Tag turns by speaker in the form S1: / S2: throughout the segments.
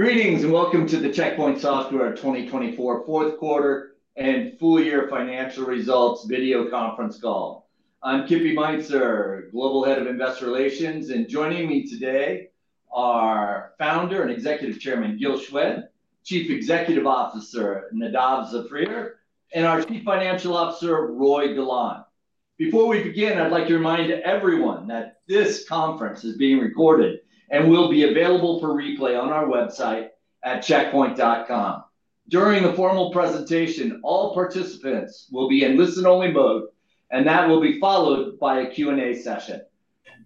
S1: Greetings and welcome to the Check Point Software 2024 Fourth Quarter and Full Year Financial Results video conference call. I'm Kip Meintzer, Global Head of Investor Relations, and joining me today are Founder and Executive Chairman Gil Shwed, Chief Executive Officer Nadav Zafrir, and our Chief Financial Officer Roei Golan. Before we begin, I'd like to remind everyone that this conference is being recorded and will be available for replay on our website at checkpoint.com. During the formal presentation, all participants will be in listen-only mode, and that will be followed by a Q&A session.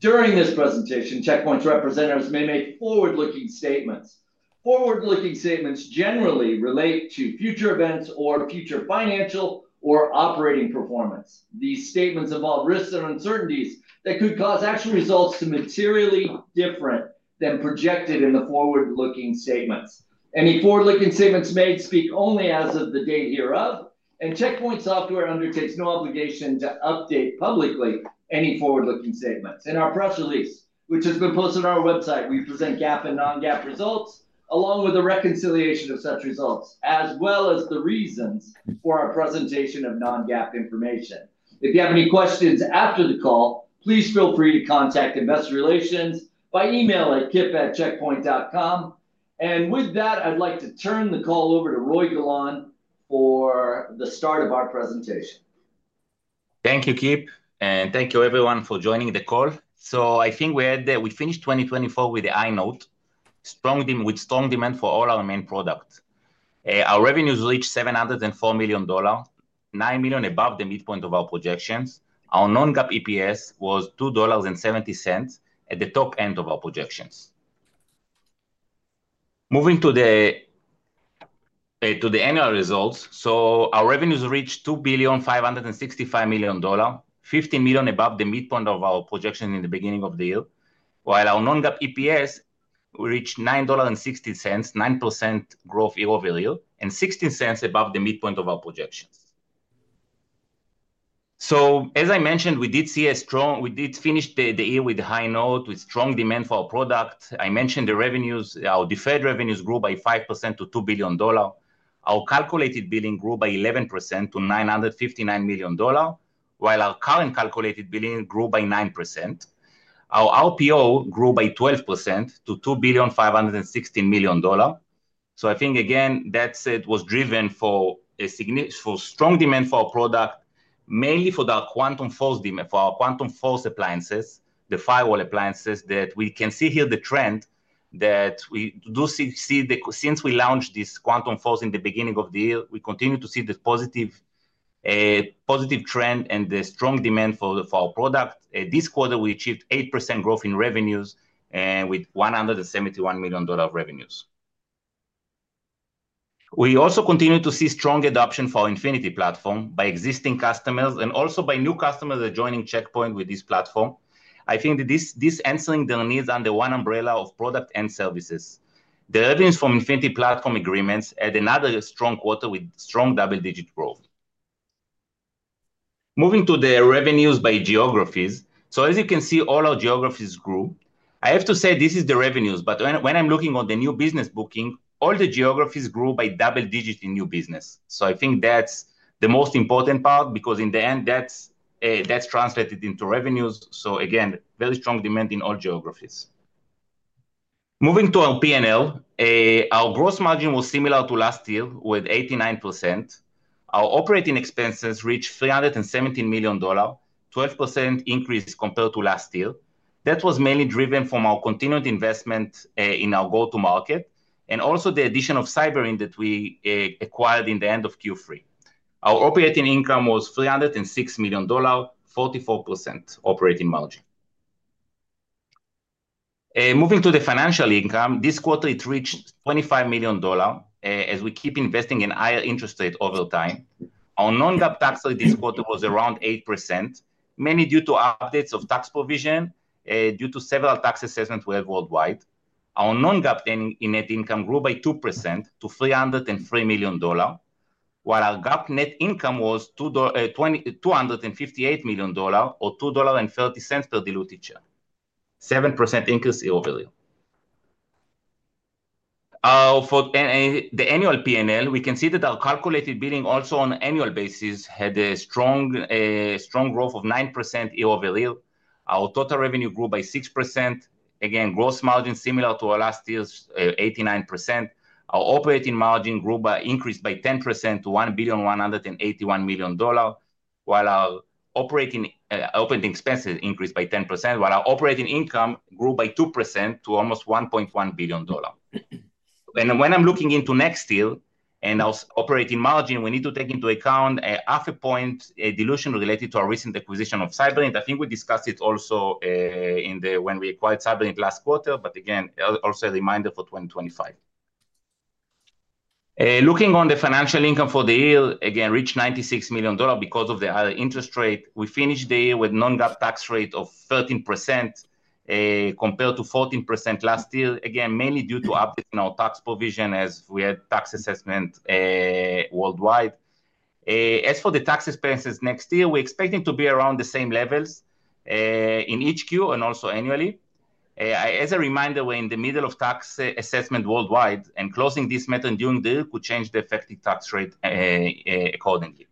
S1: During this presentation, Check Point's representatives may make forward-looking statements. Forward-looking statements generally relate to future events or future financial or operating performance. These statements involve risks and uncertainties that could cause actual results to be materially different than projected in the forward-looking statements. Any forward-looking statements made speak only as of the date hereof, and Check Point Software undertakes no obligation to update publicly any forward-looking statements. In our press release, which has been posted on our website, we present GAAP and non-GAAP results along with the reconciliation of such results, as well as the reasons for our presentation of non-GAAP information. If you have any questions after the call, please feel free to contact Investor Relations by email at kip@checkpoint.com. And with that, I'd like to turn the call over to Roei Golan for the start of our presentation.
S2: Thank you, Kip, and thank you everyone for joining the call, so I think we had, we finished 2024 with a high note, strong demand for all our main products. Our revenues reached $704 million, $9 million above the midpoint of our projections. Our non-GAAP EPS was $2.70 at the top end of our projections. Moving to the annual results, so our revenues reached $2.565 billion, $15 million above the midpoint of our projection in the beginning of the year, while our non-GAAP EPS reached $9.60, 9% growth year over year, and $0.16 above the midpoint of our projections, so, as I mentioned, we did see a strong, we did finish the year with a high note, with strong demand for our product. I mentioned the revenues, our deferred revenues grew by 5% to $2 billion. Our calculated billing grew by 11% to $959 million, while our current calculated billing grew by 9%. Our RPO grew by 12% to $2.516 billion. I think, again, that it was driven for a significant, for strong demand for our product, mainly for the Quantum Force demand, for our Quantum Force appliances, the firewall appliances that we can see here the trend that we do see since we launched this Quantum Force in the beginning of the year. We continue to see the positive trend and the strong demand for our product. This quarter, we achieved 8% growth in revenues with $171 million of revenues. We also continue to see strong adoption for our Infinity Platform by existing customers and also by new customers that are joining Check Point with this platform. I think this answering their needs under one umbrella of product and services. The revenues from Infinity Platform agreements had another strong quarter with strong double-digit growth. Moving to the revenues by geographies. So, as you can see, all our geographies grew. I have to say this is the revenues, but when I'm looking on the new business booking, all the geographies grew by double digits in new business. So I think that's the most important part because in the end, that's translated into revenues. So again, very strong demand in all geographies. Moving to our P&L, our gross margin was similar to last year with 89%. Our operating expenses reached $317 million, 12% increase compared to last year. That was mainly driven from our continued investment in our go-to-market and also the addition of Cyberint that we acquired in the end of Q3. Our operating income was $306 million, 44% operating margin. Moving to the financial income, this quarter it reached $25 million as we keep investing in higher interest rates over time. Our non-GAAP tax rate this quarter was around 8%, mainly due to updates of tax provision due to several tax assessments we have worldwide. Our non-GAAP net income grew by 2% to $303 million, while our GAAP net income was $258 million or $2.30 per diluted share, 7% increase year over year. For the annual P&L, we can see that our Calculated Billings also on an annual basis had a strong growth of 9% year over year. Our total revenue grew by 6%. Again, gross margin similar to last year, 89%. Our operating margin grew by 10% to $1.181 billion, while our operating expenses increased by 10%, while our operating income grew by 2% to almost $1.1 billion. When I'm looking into next year and our operating margin, we need to take into account a half a point dilution related to our recent acquisition of Cyberint. I think we discussed it also when we acquired Cyberint last quarter, but again, also a reminder for 2025. Looking on the financial income for the year, again, reached $96 million because of the higher interest rate. We finished the year with a non-GAAP tax rate of 13% compared to 14% last year, again, mainly due to updating our tax provision as we had tax assessment worldwide. As for the tax expenses next year, we're expecting to be around the same levels in each Q and also annually. As a reminder, we're in the middle of tax assessment worldwide, and closing this matter during the year could change the effective tax rate accordingly.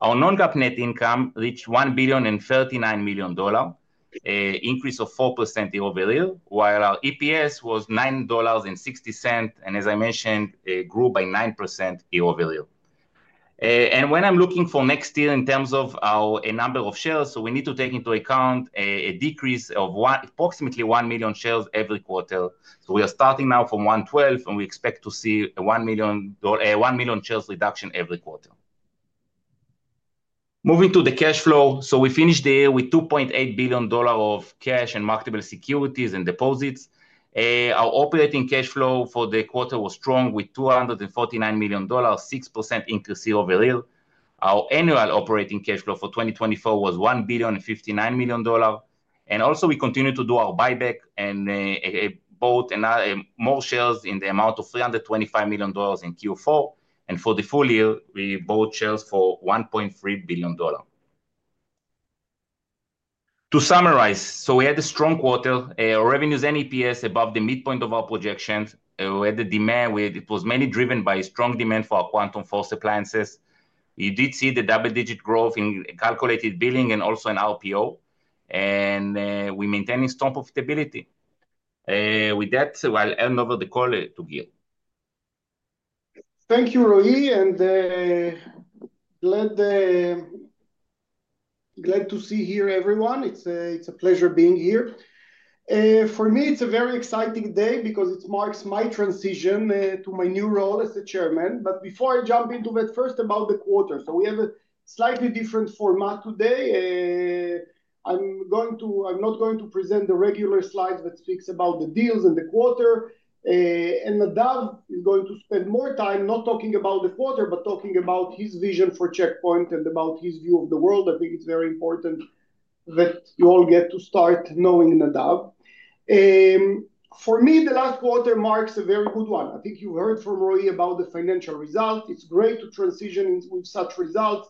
S2: Our non-GAAP net income reached $1.039 billion, increase of 4% year over year, while our EPS was $9.60, and as I mentioned, it grew by 9% year over year. And when I'm looking for next year in terms of our number of shares, so we need to take into account a decrease of approximately 1 million shares every quarter. So we are starting now from 112, and we expect to see a 1 million shares reduction every quarter. Moving to the cash flow, so we finished the year with $2.8 billion of cash and marketable securities and deposits. Our operating cash flow for the quarter was strong with $249 million, 6% increase year over year. Our annual operating cash flow for 2024 was $1.059 billion. And also, we continue to do our buyback and bought more shares in the amount of $325 million in Q4. And for the full year, we bought shares for $1.3 billion. To summarize, so we had a strong quarter. Our revenues and EPS above the midpoint of our projections. We had the demand. It was mainly driven by strong demand for our Quantum Force appliances. You did see the double-digit growth in Calculated Billings and also in RPO, and we maintained strong profitability. With that, I'll hand over the call to Gil.
S3: Thank you, Roei, and glad to see everyone here. It's a pleasure being here. For me, it's a very exciting day because it marks my transition to my new role as the chairman. But before I jump into that, first about the quarter. So we have a slightly different format today. I'm not going to present the regular slides that speak about the deals and the quarter. And Nadav is going to spend more time not talking about the quarter, but talking about his vision for Check Point and about his view of the world. I think it's very important that you all get to start knowing Nadav. For me, the last quarter marks a very good one. I think you've heard from Roei about the financial results. It's great to transition with such results.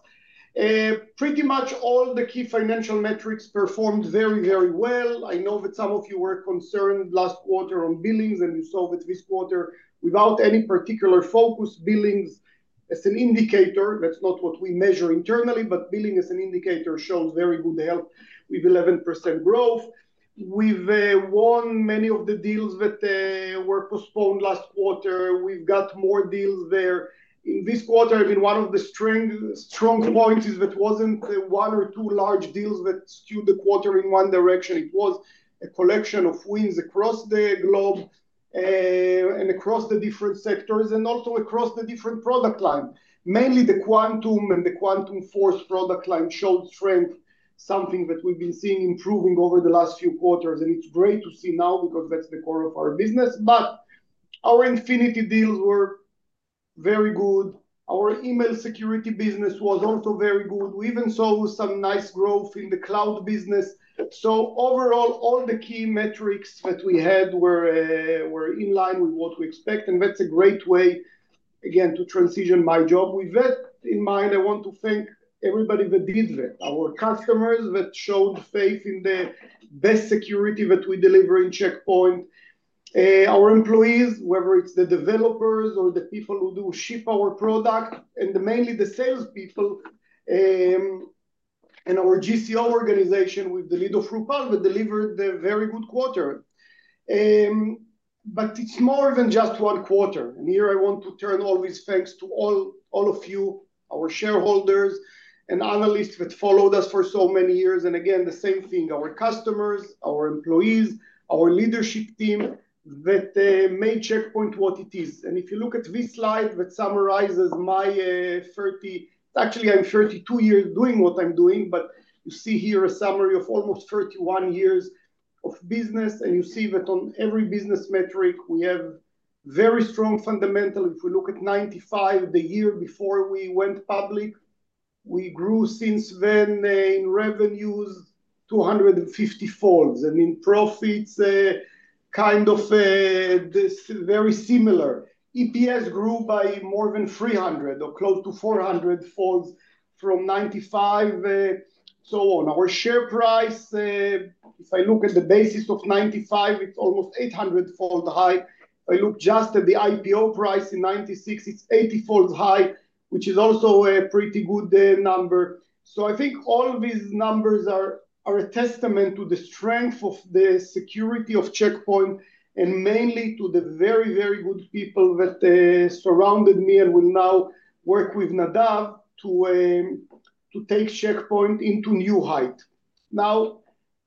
S3: Pretty much all the key financial metrics performed very, very well. I know that some of you were concerned last quarter on billings, and you saw that this quarter, without any particular focus, billings as an indicator, that's not what we measure internally, but billing as an indicator shows very good health with 11% growth. We've won many of the deals that were postponed last quarter. We've got more deals there. In this quarter, I mean, one of the strong points is that it wasn't one or two large deals that skewed the quarter in one direction. It was a collection of wins across the globe and across the different sectors and also across the different product lines. Mainly the Quantum and the Quantum Force product line showed strength, something that we've been seeing improving over the last few quarters. And it's great to see now because that's the core of our business. But our Infinity deals were very good. Our email security business was also very good. We even saw some nice growth in the cloud business. So overall, all the key metrics that we had were in line with what we expect. And that's a great way, again, to transition my job. With that in mind, I want to thank everybody that did that, our customers that showed faith in the best security that we deliver in Check Point, our employees, whether it's the developers or the people who do ship our product, and mainly the salespeople and our GCO organization with the lead of Rupal that delivered the very good quarter. But it's more than just one quarter. And here, I want to turn all these thanks to all of you, our shareholders and analysts that followed us for so many years. Again, the same thing, our customers, our employees, our leadership team that made Check Point what it is. If you look at this slide that summarizes my 30, actually, I'm 32 years doing what I'm doing, but you see here a summary of almost 31 years of business. You see that on every business metric, we have very strong fundamentals. If we look at 1995, the year before we went public, we grew since then in revenues, 250 folds, and in profits, kind of very similar. EPS grew by more than 300 or close to 400 folds from 1995, so on. Our share price, if I look at the basis of 1995, it's almost 800 fold high. If I look just at the IPO price in 1996, it's 80 fold high, which is also a pretty good number. I think all these numbers are a testament to the strength of the security of Check Point and mainly to the very, very good people that surrounded me and will now work with Nadav to take Check Point into new heights. Now,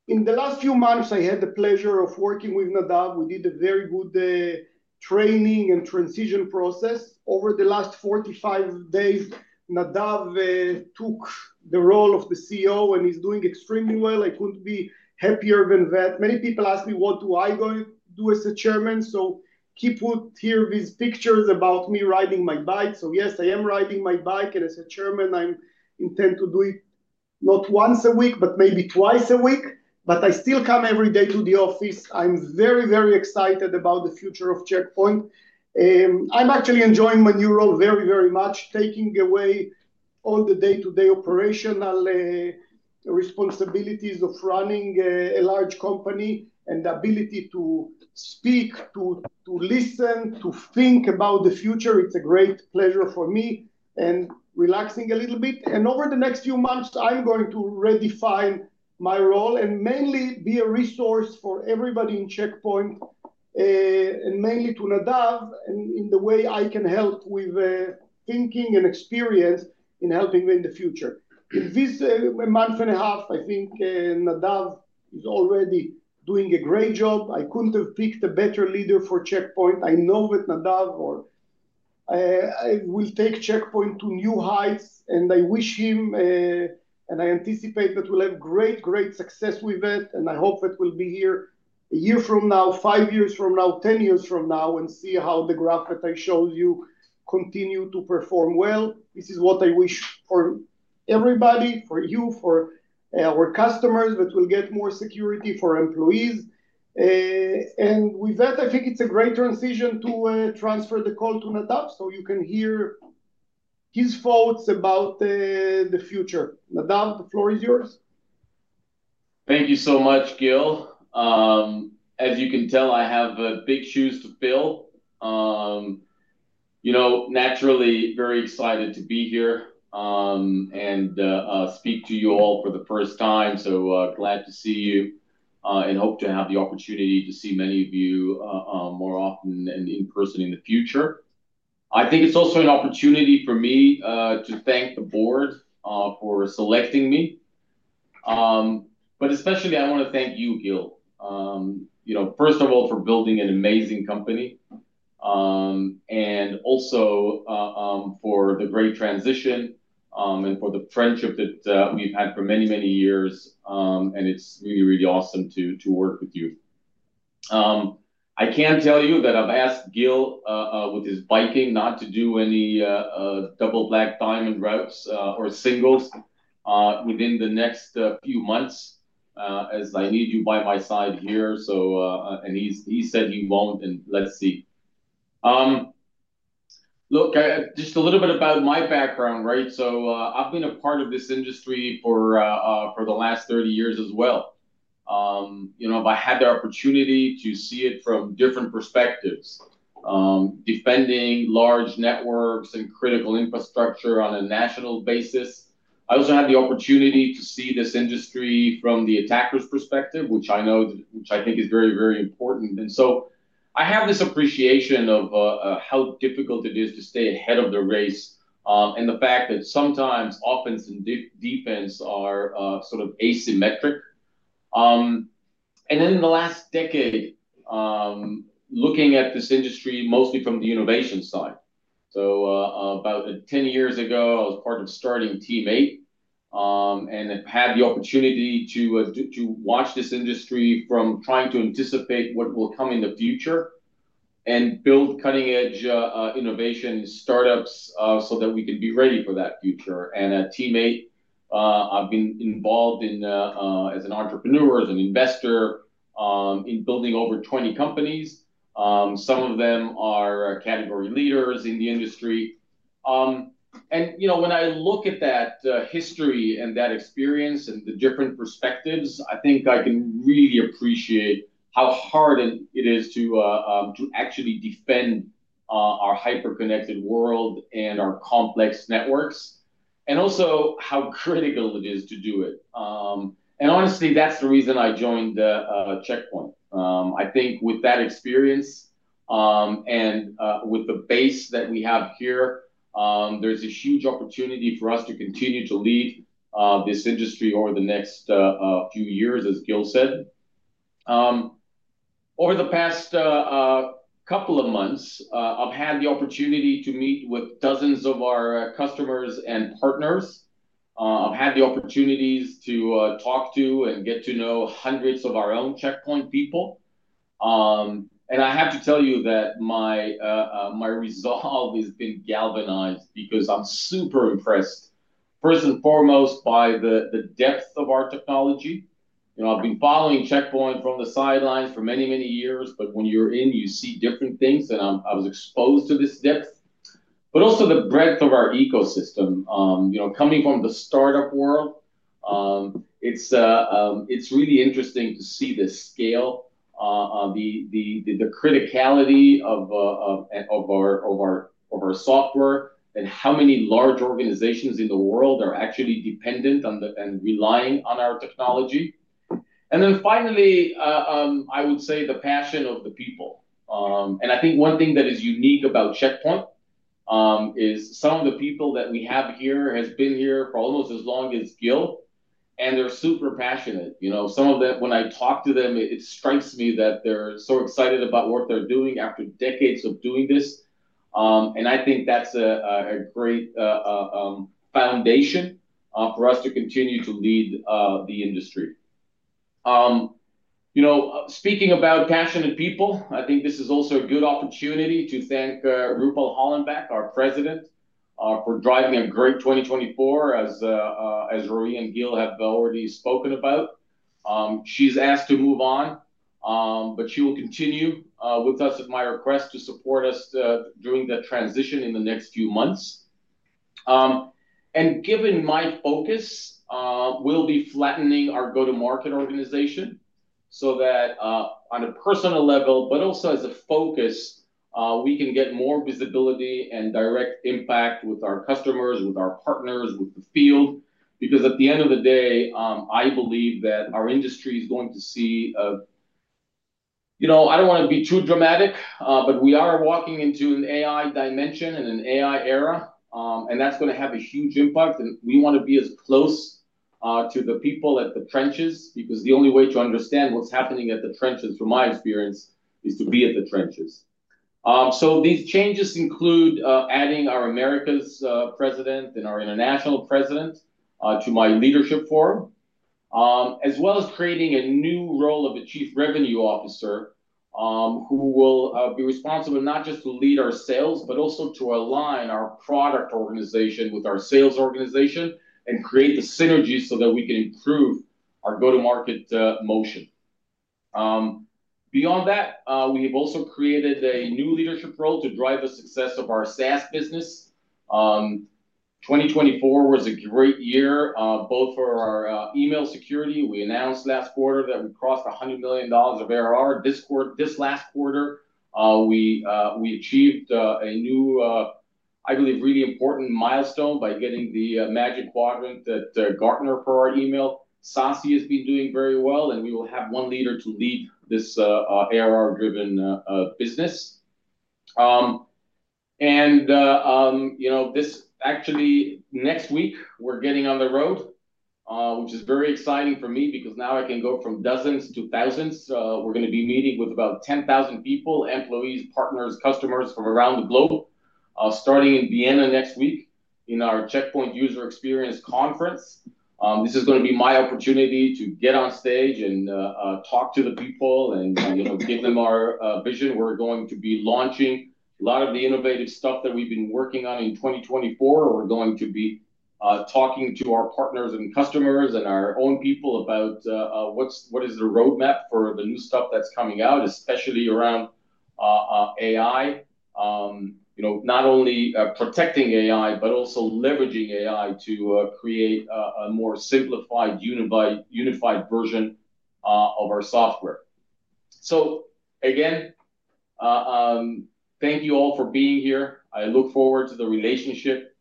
S3: in the last few months, I had the pleasure of working with Nadav. We did a very good training and transition process. Over the last 45 days, Nadav took the role of the CEO and is doing extremely well. I couldn't be happier than that. Many people ask me, what am I going to do as Chairman? Kip put here these pictures about me riding my bike. Yes, I am riding my bike. As a Chairman, I intend to do it not once a week, but maybe twice a week, but I still come every day to the office. I'm very, very excited about the future of Check Point. I'm actually enjoying my new role very, very much, taking away all the day-to-day operational responsibilities of running a large company and the ability to speak, to listen, to think about the future. It's a great pleasure for me and relaxing a little bit, and over the next few months, I'm going to redefine my role and mainly be a resource for everybody in Check Point and mainly to Nadav and in the way I can help with thinking and experience in helping in the future. In this month and a half, I think Nadav is already doing a great job. I couldn't have picked a better leader for Check Point. I know that Nadav will take Check Point to new heights, and I wish him, and I anticipate that we'll have great, great success with it. And I hope that we'll be here a year from now, five years from now, 10 years from now, and see how the graph that I showed you continue to perform well. This is what I wish for everybody, for you, for our customers that will get more security, for employees. And with that, I think it's a great transition to transfer the call to Nadav so you can hear his thoughts about the future. Nadav, the floor is yours.
S4: Thank you so much, Gil. As you can tell, I have big shoes to fill. Naturally, very excited to be here and speak to you all for the first time. So glad to see you and hope to have the opportunity to see many of you more often and in person in the future. I think it's also an opportunity for me to thank the board for selecting me. But especially, I want to thank you, Gil, first of all, for building an amazing company and also for the great transition and for the friendship that we've had for many, many years. And it's really, really awesome to work with you. I can tell you that I've asked Gil with his biking not to do any double black diamond routes or singles within the next few months as I need you by my side here. So he said he won't, and let's see. Look, just a little bit about my background, right? So I've been a part of this industry for the last 30 years as well. I've had the opportunity to see it from different perspectives, defending large networks and critical infrastructure on a national basis. I also had the opportunity to see this industry from the attacker's perspective, which I think is very, very important. And so I have this appreciation of how difficult it is to stay ahead of the race and the fact that sometimes offense and defense are sort of asymmetric. And then in the last decade, looking at this industry mostly from the innovation side. So about 10 years ago, I was part of starting Team8 and had the opportunity to watch this industry from trying to anticipate what will come in the future and build cutting-edge innovation startups so that we can be ready for that future. And at Team8, I've been involved as an entrepreneur, as an investor in building over 20 companies. Some of them are category leaders in the industry. And when I look at that history and that experience and the different perspectives, I think I can really appreciate how hard it is to actually defend our hyper-connected world and our complex networks and also how critical it is to do it. And honestly, that's the reason I joined Check Point. I think with that experience and with the base that we have here, there's a huge opportunity for us to continue to lead this industry over the next few years, as Gil said. Over the past couple of months, I've had the opportunity to meet with dozens of our customers and partners. I've had the opportunities to talk to and get to know hundreds of our own Check Point people. And I have to tell you that my resolve has been galvanized because I'm super impressed, first and foremost, by the depth of our technology. I've been following Check Point from the sidelines for many, many years, but when you're in, you see different things. And I was exposed to this depth, but also the breadth of our ecosystem. Coming from the startup world, it's really interesting to see the scale, the criticality of our software, and how many large organizations in the world are actually dependent and relying on our technology, and then finally, I would say the passion of the people. And I think one thing that is unique about Check Point is some of the people that we have here have been here for almost as long as Gil, and they're super passionate. Some of them, when I talk to them, it strikes me that they're so excited about what they're doing after decades of doing this, and I think that's a great foundation for us to continue to lead the industry. Speaking about passionate people, I think this is also a good opportunity to thank Rupal Hollenbeck, our President, for driving a great 2024, as Roei and Gil have already spoken about. She's asked to move on, but she will continue with us at my request to support us during the transition in the next few months. And given my focus, we'll be flattening our go-to-market organization so that on a personal level, but also as a focus, we can get more visibility and direct impact with our customers, with our partners, with the field. Because at the end of the day, I believe that our industry is going to see a, I don't want to be too dramatic, but we are walking into an AI dimension and an AI era, and that's going to have a huge impact. And we want to be as close to the people at the trenches because the only way to understand what's happening at the trenches, from my experience, is to be at the trenches. So these changes include adding our Americas President and our International President to my leadership forum, as well as creating a new role of a Chief Revenue Officer who will be responsible not just to lead our sales, but also to align our product organization with our sales organization and create the synergy so that we can improve our go-to-market motion. Beyond that, we have also created a new leadership role to drive the success of our SaaS business. 2024 was a great year, both for our email security. We announced last quarter that we crossed $100 million of ARR. This last quarter, we achieved a new, I believe, really important milestone by getting the Magic Quadrant from Gartner for our email. SASE has been doing very well, and we will have one leader to lead this ARR-driven business. Actually, next week, we're getting on the road, which is very exciting for me because now I can go from dozens to thousands. We're going to be meeting with about 10,000 people, employees, partners, customers from around the globe, starting in Vienna next week in our Check Point Experience conference. This is going to be my opportunity to get on stage and talk to the people and give them our vision. We're going to be launching a lot of the innovative stuff that we've been working on in 2024. We're going to be talking to our partners and customers and our own people about what is the roadmap for the new stuff that's coming out, especially around AI, not only protecting AI, but also leveraging AI to create a more simplified, unified version of our software. So again, thank you all for being here. I look forward to the relationship.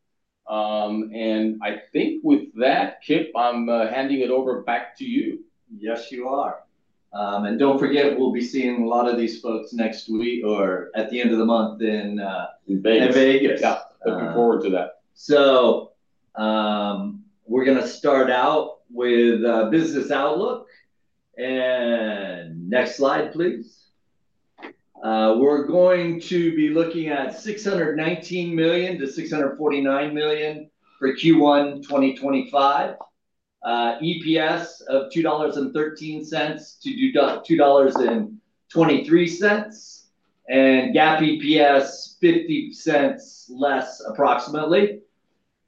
S4: And I think with that, Kip, I'm handing it over back to you.
S1: Yes, you are. And don't forget, we'll be seeing a lot of these folks next week or at the end of the month in Vegas.
S4: In Vegas. Yeah. Looking forward to that.
S1: So we're going to start out with business outlook. And next slide, please. We're going to be looking at $619 million-$649 million for Q1 2025, EPS of $2.13-$2.23, and GAAP EPS $0.50 less, approximately.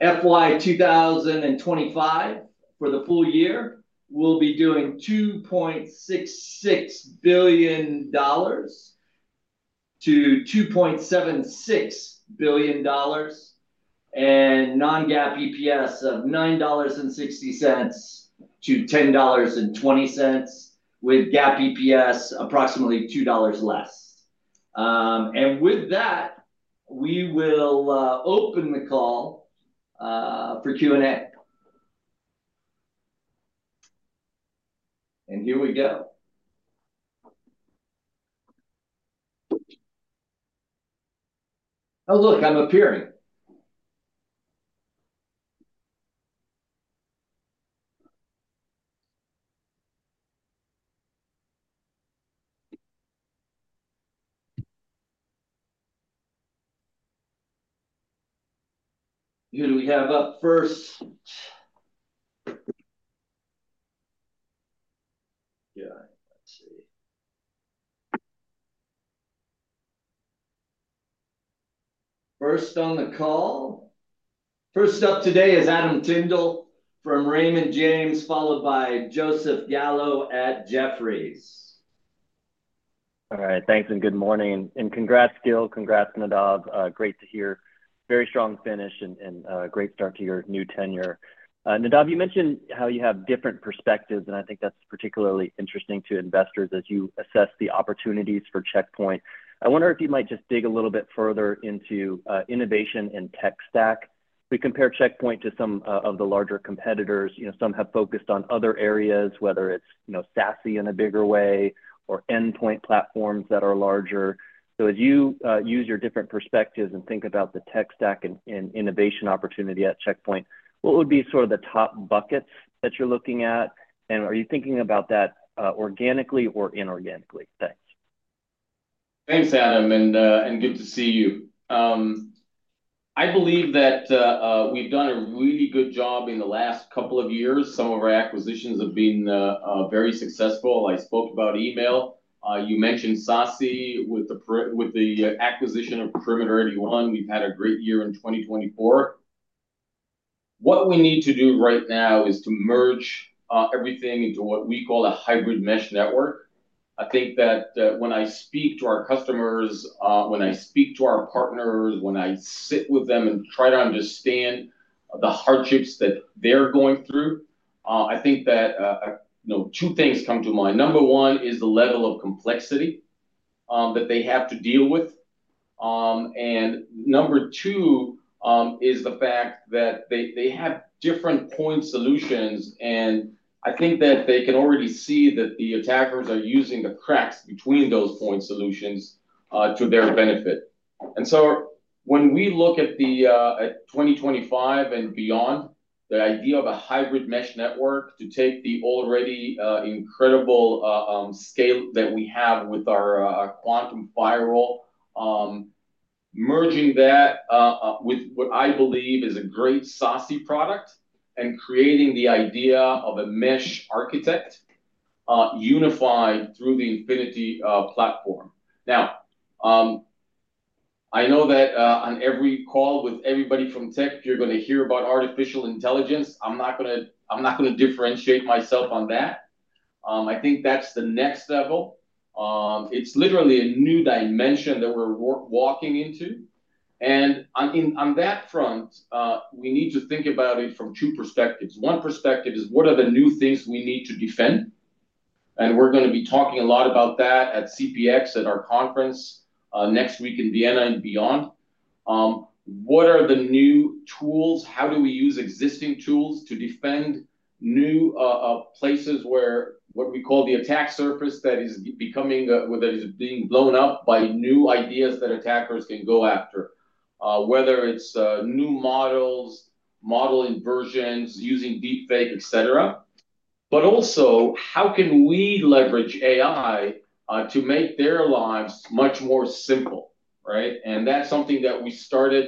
S1: FY 2025 for the full year, we'll be doing $2.66 billion-$2.76 billion and non-GAAP EPS of $9.60-$10.20 with GAAP EPS approximately $2 less. And with that, we will open the call for Q&A. And here we go. Oh, look, I'm appearing. Who do we have up first? Yeah, let's see. First on the call. First up today is Adam Tindle from Raymond James, followed by Joseph Gallo at Jefferies.
S5: All right. Thanks and good morning, and congrats, Gil. Congrats, Nadav. Great to hear. Very strong finish and great start to your new tenure. Nadav, you mentioned how you have different perspectives, and I think that's particularly interesting to investors as you assess the opportunities for Check Point. I wonder if you might just dig a little bit further into innovation and tech stack. We compare Check Point to some of the larger competitors. Some have focused on other areas, whether it's SASE in a bigger way or endpoint platforms that are larger, so as you use your different perspectives and think about the tech stack and innovation opportunity at Check Point, what would be sort of the top buckets that you're looking at, and are you thinking about that organically or inorganically? Thanks.
S4: Thanks, Adam. And good to see you. I believe that we've done a really good job in the last couple of years. Some of our acquisitions have been very successful. I spoke about email. You mentioned SASE with the acquisition of Perimeter 81. We've had a great year in 2024. What we need to do right now is to merge everything into what we call a hybrid mesh network. I think that when I speak to our customers, when I speak to our partners, when I sit with them and try to understand the hardships that they're going through, I think that two things come to mind. Number one is the level of complexity that they have to deal with. And number two is the fact that they have different point solutions. And I think that they can already see that the attackers are using the cracks between those point solutions to their benefit. And so when we look at 2025 and beyond, the idea of a hybrid mesh network to take the already incredible scale that we have with our quantum firewall, merging that with what I believe is a great SASE product and creating the idea of a mesh architecture unified through the Infinity Platform. Now, I know that on every call with everybody from tech, you're going to hear about artificial intelligence. I'm not going to differentiate myself on that. I think that's the next level. It's literally a new dimension that we're walking into. And on that front, we need to think about it from two perspectives. One perspective is what are the new things we need to defend? We're going to be talking a lot about that at CPX at our conference next week in Vienna and beyond. What are the new tools? How do we use existing tools to defend new places where what we call the attack surface that is becoming or that is being blown up by new ideas that attackers can go after, whether it's new models, model inversions, using deepfake, etc. But also, how can we leverage AI to make their lives much more simple? Right? And that's something that we started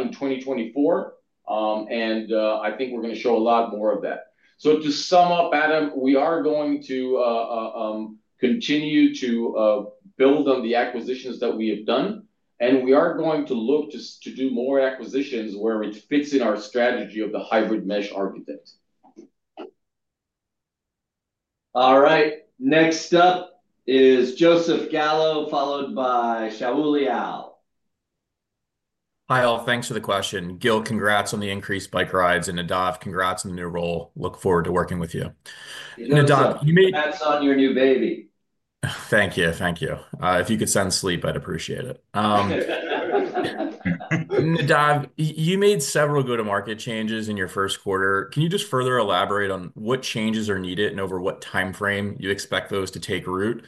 S4: in 2024. And I think we're going to show a lot more of that. So to sum up, Adam, we are going to continue to build on the acquisitions that we have done. And we are going to look to do more acquisitions where it fits in our strategy of the hybrid mesh architecture.
S1: All right. Next up is Joseph Gallo, followed by Shaul Eyal.
S6: Hi, all. Thanks for the question. Gil, congrats on the increased bike rides. And Nadav, congrats on the new role. Look forward to working with you. Nadav, you made.
S1: Congrats on your new baby.
S6: Thank you. Thank you. If you could send the slides, I'd appreciate it. Nadav, you made several go-to-market changes in your first quarter. Can you just further elaborate on what changes are needed and over what timeframe you expect those to take root?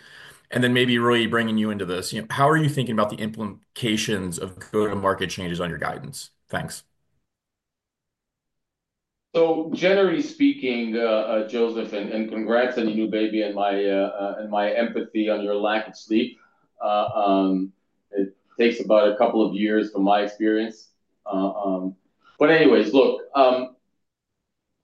S6: And then maybe really bringing you into this, how are you thinking about the implications of go-to-market changes on your guidance? Thanks.
S4: So, generally speaking, Joseph, and congrats on your new baby and my empathy on your lack of sleep. It takes about a couple of years from my experience. But anyways, look,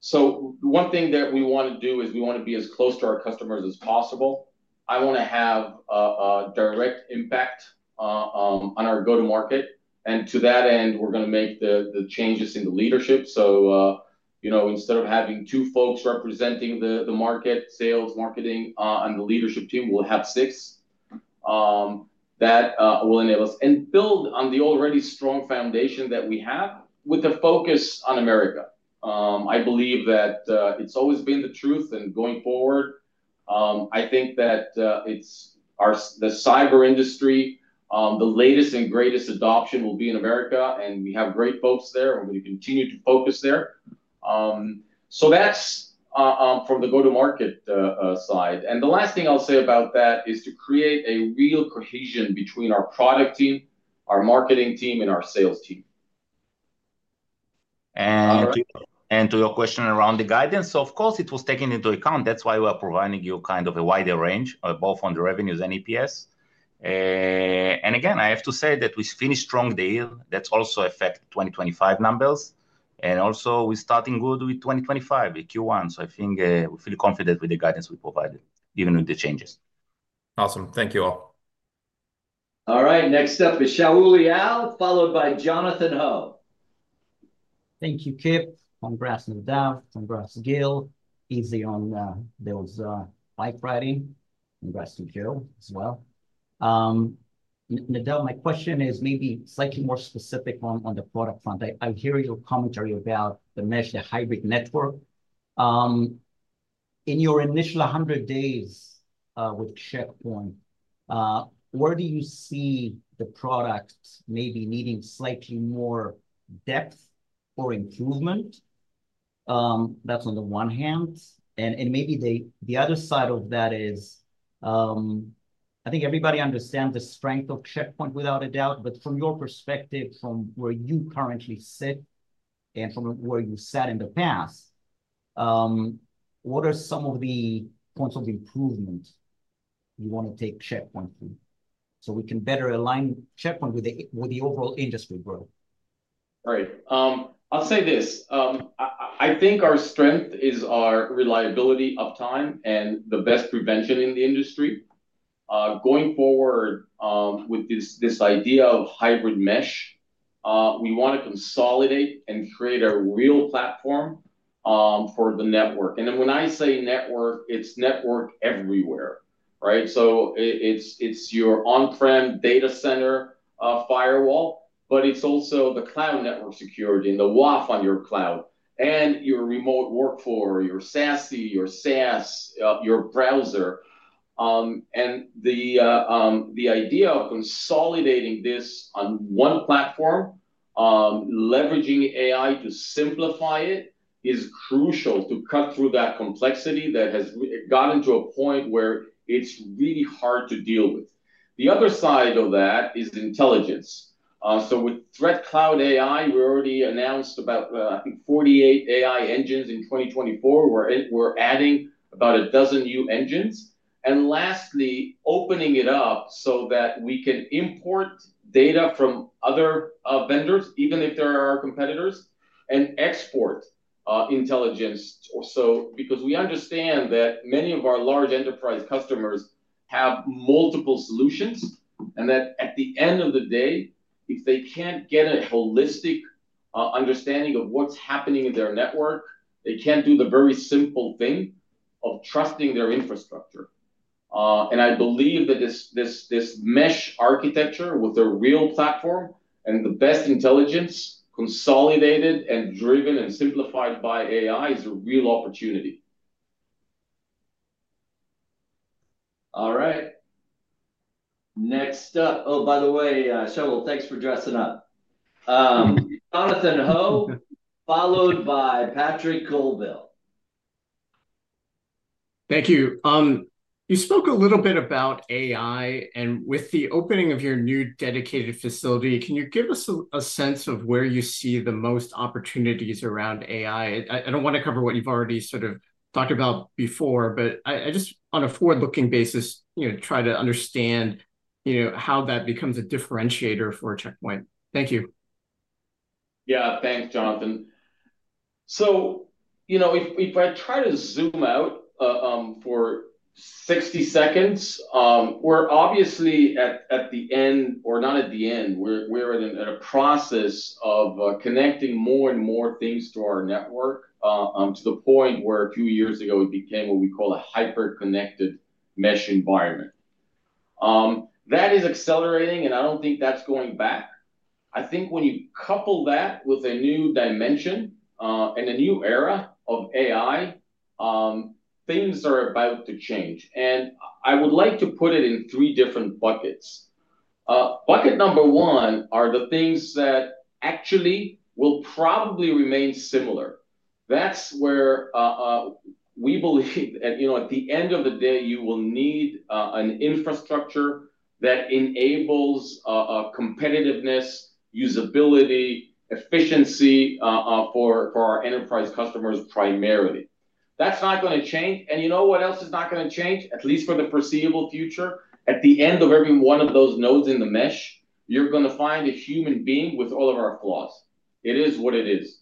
S4: so one thing that we want to do is we want to be as close to our customers as possible. I want to have a direct impact on our go-to-market. And to that end, we're going to make the changes in the leadership. So instead of having two folks representing the market, sales, marketing, and the leadership team, we'll have six that will enable us and build on the already strong foundation that we have with the focus on America. I believe that it's always been the truth. And going forward, I think that the cyber industry, the latest and greatest adoption will be in America. And we have great folks there. We're going to continue to focus there. So that's from the go-to-market side. And the last thing I'll say about that is to create a real cohesion between our product team, our marketing team, and our sales team.
S2: To your question around the guidance, of course, it was taken into account. That's why we are providing you kind of a wider range, both on the revenues and EPS. Again, I have to say that we finished strong Q4. That's also affected 2025 numbers. Also, we're starting good with 2025, Q1. I think we feel confident with the guidance we provided, even with the changes.
S6: Awesome. Thank you all.
S1: All right. Next up is Shaul Eyal, followed by Jonathan Ho.
S7: Thank you, Kip. Congrats, Nadav. Congrats, Gil. Easy on those bike riding. Congrats to Gil as well. Nadav, my question is maybe slightly more specific on the product front. I hear your commentary about the mesh, the hybrid network. In your initial 100 days with Check Point, where do you see the product maybe needing slightly more depth or improvement? That's on the one hand, and maybe the other side of that is I think everybody understands the strength of Check Point, without a doubt, but from your perspective, from where you currently sit and from where you sat in the past, what are some of the points of improvement you want to take Check Point through so we can better align Check Point with the overall industry growth?
S4: All right. I'll say this. I think our strength is our reliability, uptime, and the best prevention in the industry. Going forward with this idea of hybrid mesh, we want to consolidate and create a real platform for the network. And then when I say network, it's network everywhere. Right? So it's your on-prem data center firewall, but it's also the cloud network security and the WAF on your cloud and your remote workflow, your SASE, your SaaS, your browser. And the idea of consolidating this on one platform, leveraging AI to simplify it, is crucial to cut through that complexity that has gotten to a point where it's really hard to deal with. The other side of that is intelligence. So with ThreatCloud AI, we already announced about, I think, 48 AI engines in 2024. We're adding about a dozen new engines. And lastly, opening it up so that we can import data from other vendors, even if there are competitors, and export intelligence, so because we understand that many of our large enterprise customers have multiple solutions and that at the end of the day, if they can't get a holistic understanding of what's happening in their network, they can't do the very simple thing of trusting their infrastructure, and I believe that this mesh architecture with a real platform and the best intelligence consolidated and driven and simplified by AI is a real opportunity.
S1: All right. Next up, oh, by the way, Shaul, thanks for dressing up. Jonathan Ho, followed by Patrick Colville.
S8: Thank you. You spoke a little bit about AI. And with the opening of your new dedicated facility, can you give us a sense of where you see the most opportunities around AI? I don't want to cover what you've already sort of talked about before, but I just, on a forward-looking basis, try to understand how that becomes a differentiator for Check Point. Thank you.
S4: Yeah. Thanks, Jonathan. So if I try to zoom out for 60 seconds, we're obviously at the end, or not at the end. We're in a process of connecting more and more things to our network to the point where a few years ago, it became what we call a hyper-connected mesh environment. That is accelerating, and I don't think that's going back. I think when you couple that with a new dimension and a new era of AI, things are about to change. And I would like to put it in three different buckets. Bucket number one are the things that actually will probably remain similar. That's where we believe that at the end of the day, you will need an infrastructure that enables competitiveness, usability, efficiency for our enterprise customers primarily. That's not going to change. And you know what else is not going to change, at least for the foreseeable future? At the end of every one of those nodes in the mesh, you're going to find a human being with all of our flaws. It is what it is.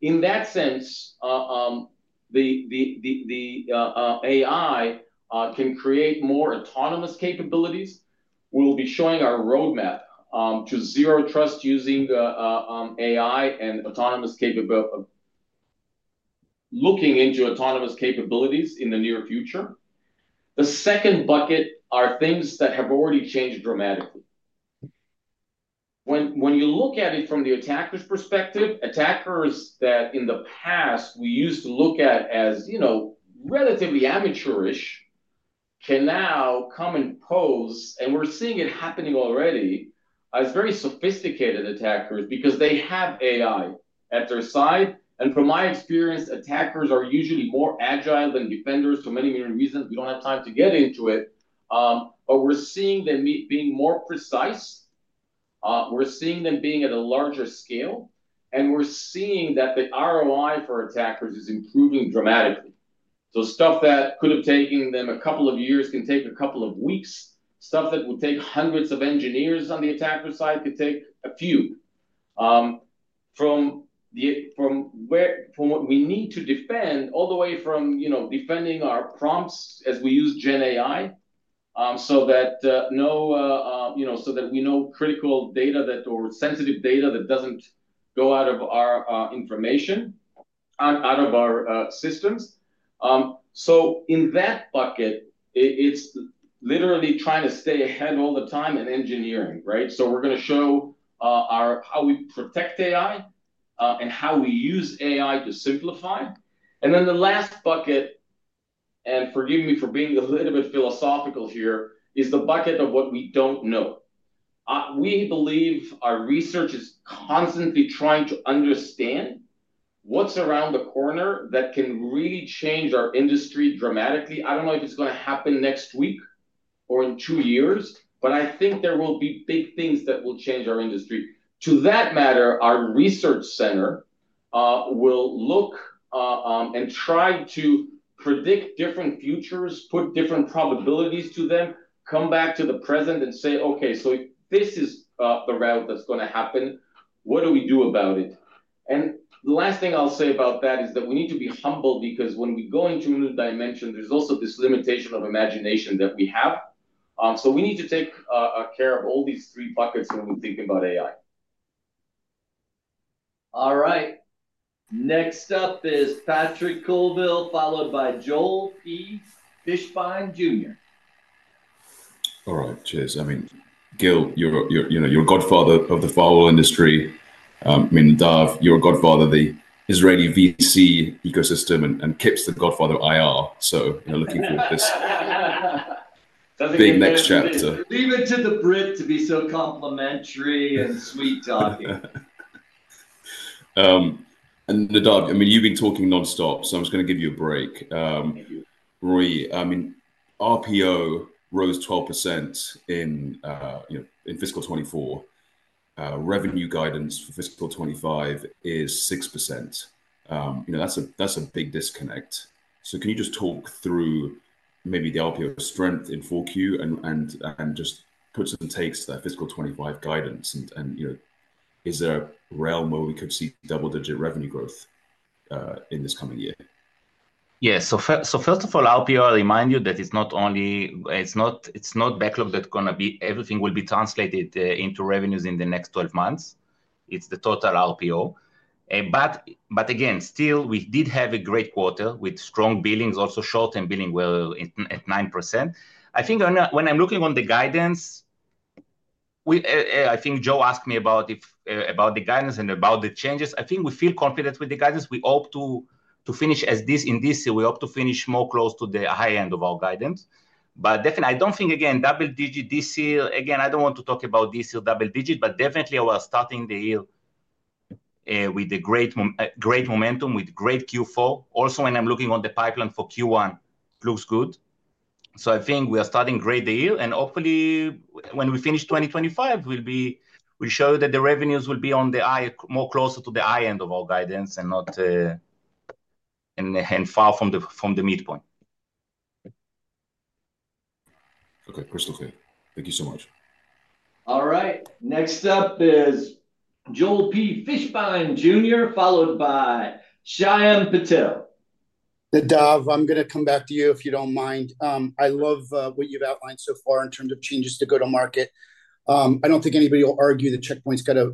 S4: In that sense, the AI can create more autonomous capabilities. We'll be showing our roadmap to Zero Trust using AI and autonomous capabilities, looking into autonomous capabilities in the near future. The second bucket are things that have already changed dramatically. When you look at it from the attacker's perspective, attackers that in the past we used to look at as relatively amateurish can now come and pose, and we're seeing it happening already, as very sophisticated attackers because they have AI at their side. And from my experience, attackers are usually more agile than defenders for many, many reasons. We don't have time to get into it, but we're seeing them being more precise. We're seeing them being at a larger scale, and we're seeing that the ROI for attackers is improving dramatically, so stuff that could have taken them a couple of years can take a couple of weeks. Stuff that would take hundreds of engineers on the attacker side could take a few. From what we need to defend, all the way from defending our prompts as we use GenAI so that we know critical data or sensitive data that doesn't go out of our information, out of our systems, so in that bucket it's literally trying to stay ahead all the time in engineering, right? So we're going to show how we protect AI and how we use AI to simplify. And then the last bucket, and forgive me for being a little bit philosophical here, is the bucket of what we don't know. We believe our research is constantly trying to understand what's around the corner that can really change our industry dramatically. I don't know if it's going to happen next week or in two years, but I think there will be big things that will change our industry. To that matter, our research center will look and try to predict different futures, put different probabilities to them, come back to the present, and say, "Okay, so if this is the route that's going to happen, what do we do about it?" And the last thing I'll say about that is that we need to be humble because when we go into a new dimension, there's also this limitation of imagination that we have. So we need to take care of all these three buckets when we think about AI.
S1: All right. Next up is Patrick Colville, followed by Joel Fishbein.
S9: All right. Cheers. I mean, Gil, you're Godfather of the firewall industry. I mean, Nadav, you're Godfather of the Israeli VC ecosystem and Kip's the Godfather of IR. So we're looking forward to this big next chapter.
S1: Leave it to the Brit to be so complimentary and sweet talking.
S9: Nadav, I mean, you've been talking nonstop, so I'm just going to give you a break. Roei, I mean, RPO rose 12% in fiscal 2024. Revenue guidance for fiscal 2025 is 6%. That's a big disconnect. So can you just talk through maybe the RPO strength in 4Q and just put some takes to that fiscal 2025 guidance? Is there a realm where we could see double-digit revenue growth in this coming year?
S2: Yeah. So first of all, RPO, I remind you that it's not backlog that's going to be everything. [It] will be translated into revenues in the next 12 months. It's the total RPO. But again, still, we did have a great quarter with strong billings, also short-term billing at 9%. I think when I'm looking on the guidance, I think Joe asked me about the guidance and about the changes. I think we feel confident with the guidance. We hope to finish at this in this year. We hope to finish more close to the high end of our guidance. But definitely, I don't think, again, double-digit this year. Again, I don't want to talk about this year, double-digit, but definitely, we are starting the year with great momentum, with great Q4. Also, when I'm looking on the pipeline for Q1, it looks good. So, I think we are starting the year great. And hopefully, when we finish 2025, we'll show you that the revenues will be more closer to the high end of our guidance and far from the midpoint.
S9: Okay. Crystal clear. Thank you so much.
S1: All right. Next up is Joel Fishbein Jr., followed by Shyam Patil.
S10: Nadav, I'm going to come back to you if you don't mind. I love what you've outlined so far in terms of changes to go to market. I don't think anybody will argue that Check Point's got a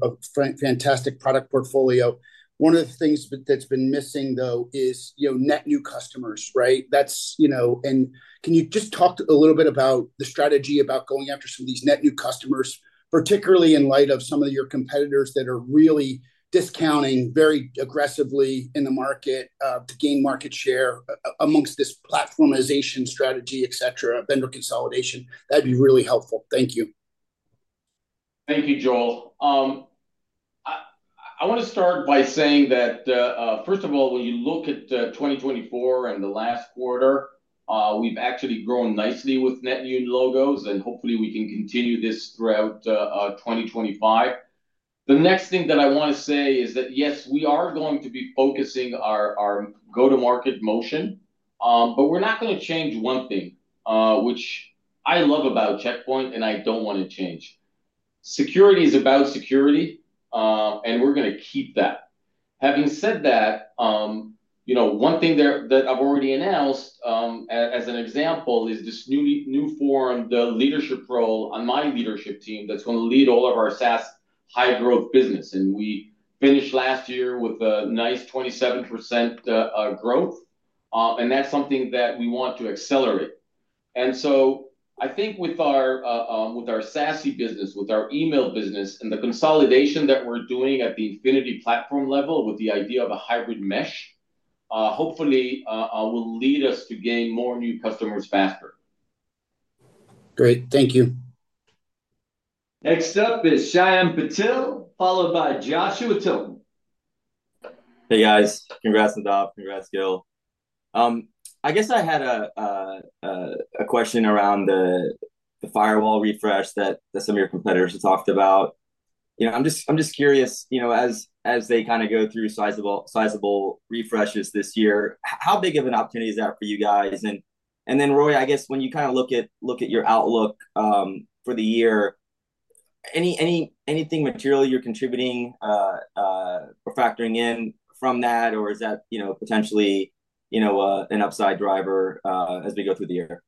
S10: fantastic product portfolio. One of the things that's been missing, though, is net new customers, right? And can you just talk a little bit about the strategy about going after some of these net new customers, particularly in light of some of your competitors that are really discounting very aggressively in the market to gain market share amongst this platformization strategy, etc., vendor consolidation? That'd be really helpful. Thank you.
S4: Thank you, Joel. I want to start by saying that, first of all, when you look at 2024 and the last quarter, we've actually grown nicely with net new logos, and hopefully, we can continue this throughout 2025. The next thing that I want to say is that, yes, we are going to be focusing our go-to-market motion, but we're not going to change one thing, which I love about Check Point and I don't want to change. Security is about security, and we're going to keep that. Having said that, one thing that I've already announced as an example is this new form, the leadership role on my leadership team that's going to lead all of our SaaS high-growth business. And we finished last year with a nice 27% growth, and that's something that we want to accelerate. I think with our SASE business, with our email business, and the consolidation that we're doing at the Infinity Platform level with the idea of a hybrid mesh, hopefully, will lead us to gain more new customers faster.
S10: Great. Thank you.
S1: Next up is Shyam Patil, followed by Joshua Tilton.
S11: Hey, guys. Congrats, Nadav. Congrats, Gil. I guess I had a question around the firewall refresh that some of your competitors have talked about. I'm just curious, as they kind of go through sizable refreshes this year, how big of an opportunity is that for you guys? And then, Roei, I guess when you kind of look at your outlook for the year, anything materially you're contributing or factoring in from that, or is that potentially an upside driver as we go through the year?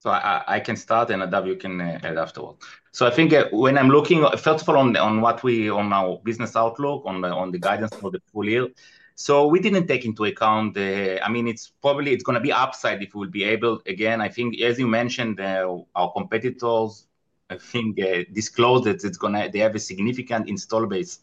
S2: So I can start, and Nadav, you can add afterward. So I think when I'm looking, first of all, on our business outlook, on the guidance for the full year, so we didn't take into account the. I mean, it's probably going to be upside if we'll be able, again, I think, as you mentioned, our competitors, I think, disclosed that they have a significant install base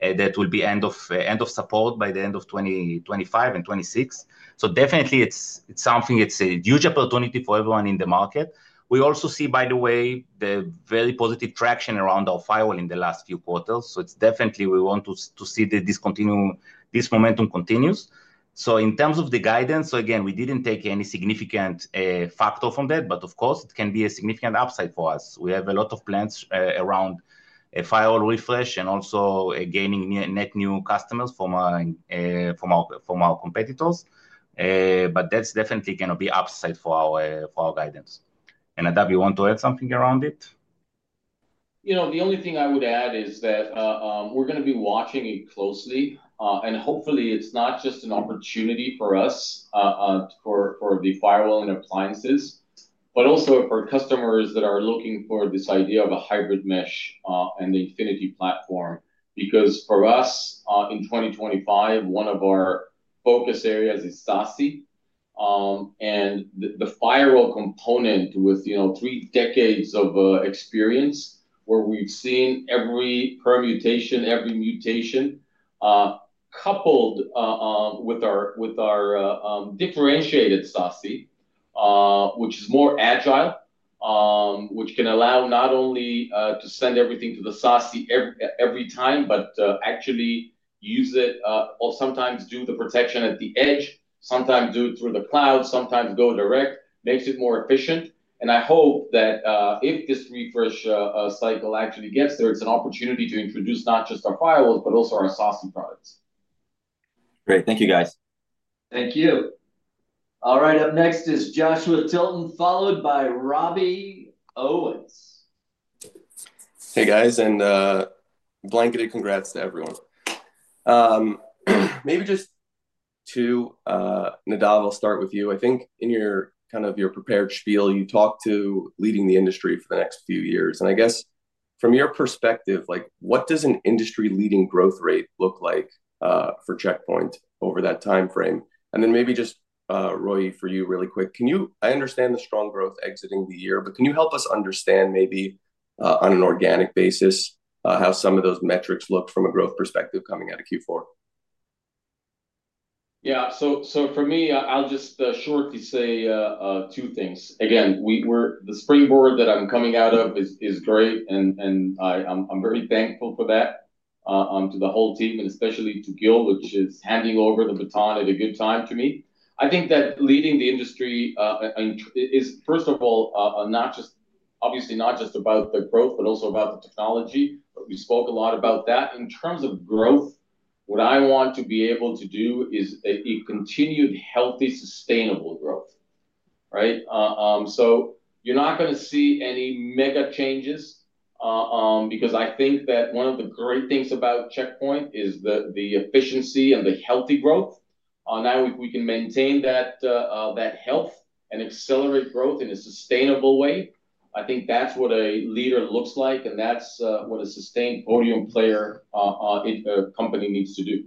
S2: that will be end-of-support by the end of 2025 and 2026. So definitely, it's something. It's a huge opportunity for everyone in the market. We also see, by the way, the very positive traction around our firewall in the last few quarters. So it's definitely. We want to see this momentum continue. So in terms of the guidance, so again, we didn't take any significant factor from that, but of course, it can be a significant upside for us. We have a lot of plans around a firewall refresh and also gaining net new customers from our competitors. But that's definitely going to be upside for our guidance. And Nadav, you want to add something around it?
S4: The only thing I would add is that we're going to be watching it closely, and hopefully, it's not just an opportunity for us, for the firewall and appliances, but also for customers that are looking for this idea of a hybrid mesh and the Infinity Platform. Because for us, in 2025, one of our focus areas is SASE, and the firewall component, with three decades of experience, where we've seen every permutation, every mutation, coupled with our differentiated SASE, which is more agile, which can allow not only to send everything to the SASE every time, but actually use it, or sometimes do the protection at the edge, sometimes do it through the cloud, sometimes go direct, makes it more efficient. I hope that if this refresh cycle actually gets there, it's an opportunity to introduce not just our firewalls, but also our SASE products.
S11: Great. Thank you, guys.
S1: Thank you. All right. Up next is Joshua Tilton, followed by Robbie Owens.
S12: Hey, guys. And blanket congrats to everyone. Maybe just to Nadav, I'll start with you. I think in kind of your prepared spiel, you talked about leading the industry for the next few years. And I guess from your perspective, what does an industry-leading growth rate look like for Check Point over that timeframe? And then maybe just, Roei, for you really quick. I understand the strong growth exiting the year, but can you help us understand maybe on an organic basis how some of those metrics look from a growth perspective coming out of Q4?
S4: Yeah. So for me, I'll just shortly say two things. Again, the springboard that I'm coming out of is great, and I'm very thankful for that to the whole team, and especially to Gil, which is handing over the baton at a good time to me. I think that leading the industry is, first of all, obviously not just about the growth, but also about the technology. But we spoke a lot about that. In terms of growth, what I want to be able to do is a continued healthy, sustainable growth. Right? So you're not going to see any mega changes because I think that one of the great things about Check Point is the efficiency and the healthy growth. Now, if we can maintain that health and accelerate growth in a sustainable way, I think that's what a leader looks like, and that's what a sustained podium player company needs to do.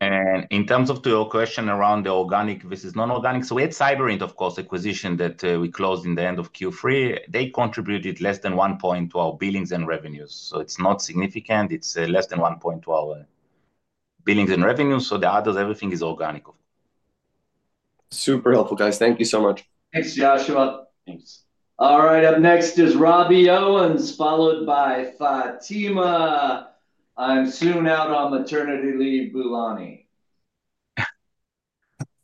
S2: And in terms of your question around the organic versus non-organic, so we had Cyberint, of course, acquisition that we closed in the end of Q3. They contributed less than one point to our billings and revenues. So it's not significant. It's less than one point to our billings and revenues. So the others, everything is organic.
S12: Super helpful, guys. Thank you so much.
S1: Thanks, Joshua.
S12: Thanks.
S1: All right. Up next is Robbie Owens, followed by Fatima "I'm soon out on maternity leave" Boolani.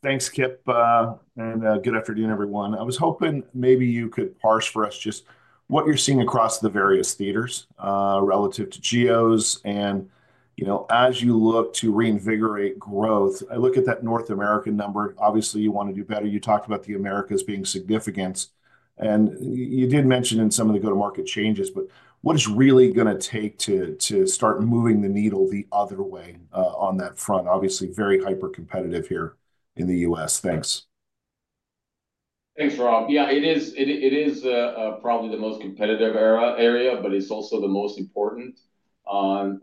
S13: Thanks, Kip, and good afternoon, everyone. I was hoping maybe you could parse for us just what you're seeing across the various theaters relative to Geos. As you look to reinvigorate growth, I look at that North American number. Obviously, you want to do better. You talked about the Americas being significant. You did mention in some of the go-to-market changes, but what is really going to take to start moving the needle the other way on that front? Obviously, very hyper-competitive here in the U.S. Thanks.
S4: Thanks, Rob. Yeah, it is probably the most competitive area, but it's also the most important.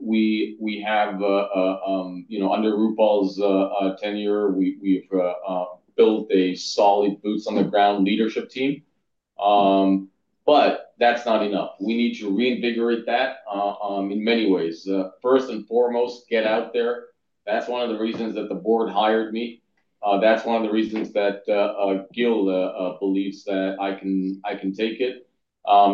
S4: We have, under Rupal's tenure, we've built a solid boots-on-the-ground leadership team. But that's not enough. We need to reinvigorate that in many ways. First and foremost, get out there. That's one of the reasons that the board hired me. That's one of the reasons that Gil believes that I can take it.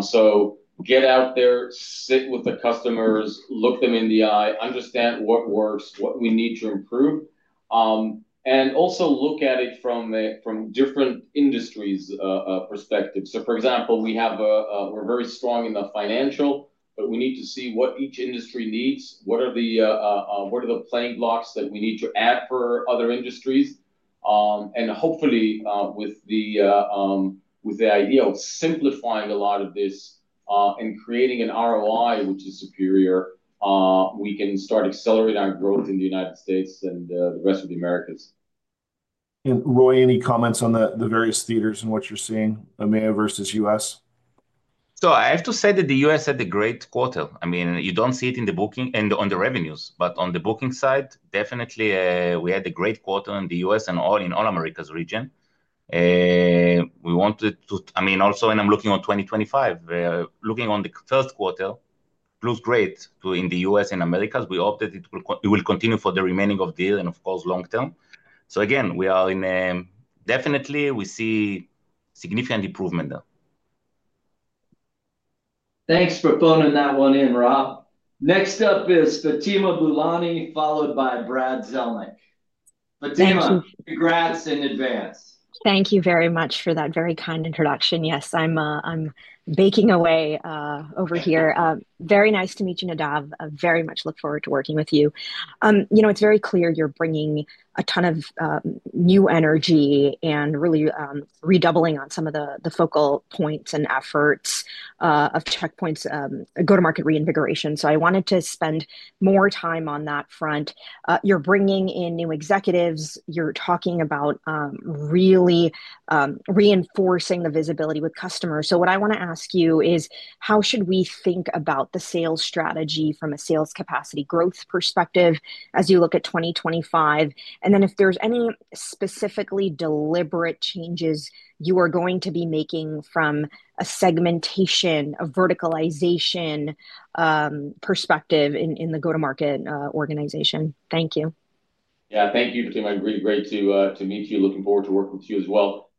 S4: So get out there, sit with the customers, look them in the eye, understand what works, what we need to improve, and also look at it from different industries' perspectives. So for example, we're very strong in the financial, but we need to see what each industry needs, what are the building blocks that we need to add for other industries. Hopefully, with the idea of simplifying a lot of this and creating an ROI, which is superior, we can start accelerating our growth in the United States and the rest of the Americas.
S13: Roei, any comments on the various theaters and what you're seeing in EMEA versus U.S.?
S2: So I have to say that the U.S. had a great quarter. I mean, you don't see it in the bookings and on the revenues, but on the bookings side, definitely, we had a great quarter in the U.S. and all in all Americas region. We wanted to, I mean, also, and I'm looking on 2025, looking on the first quarter, looks great in the U.S. and Americas. We hope that it will continue for the remaining of the year and, of course, long term. So again, we are definitely, we see significant improvement there.
S1: Thanks for phoning that one in, Rob. Next up is Fatima Boolani, followed by Brad Zelnick. Fatima, congrats in advance.
S14: Thank you very much for that very kind introduction. Yes, I'm baking away over here. Very nice to meet you, Nadav. I very much look forward to working with you. It's very clear you're bringing a ton of new energy and really redoubling on some of the focal points and efforts of Check Point's go-to-market reinvigoration. So I wanted to spend more time on that front. You're bringing in new executives. You're talking about really reinforcing the visibility with customers. So what I want to ask you is, how should we think about the sales strategy from a sales capacity growth perspective as you look at 2025? And then if there's any specifically deliberate changes you are going to be making from a segmentation, a verticalization perspective in the go-to-market organization? Thank you.
S4: Yeah. Thank you, Fatima. Really great to meet you. Looking forward to working with you as well.